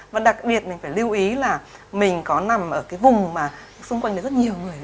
và đặc biệt mình phải lưu ý là mình có nằm ở cái vùng mà xung quanh được rất nhiều người